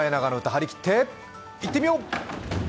張り切っていってみよう！